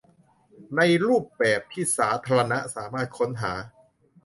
ในรูปแบบที่สาธารณะสามารถค้นหา